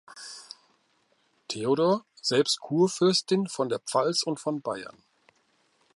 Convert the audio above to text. Theodor selbst "Kurfürstin von der Pfalz und von Bayern".